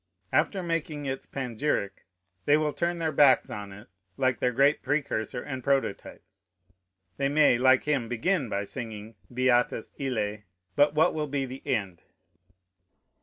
After making its panegyric, they will turn their backs on it, like their great precursor and prototype. They may, like him, begin by singing, "Beatus ille" but what will be the end?